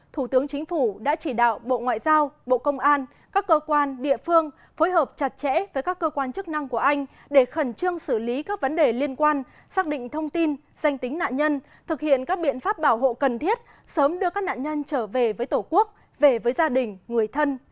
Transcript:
thủ tướng chính phủ đã chỉ đạo bộ ngoại giao bộ công an các cơ quan địa phương phối hợp chặt chẽ với các cơ quan chức năng của anh để khẩn trương xử lý các vấn đề liên quan xác định thông tin danh tính nạn nhân thực hiện các biện pháp bảo hộ cần thiết sớm đưa các nạn nhân trở về với tổ quốc về với gia đình người thân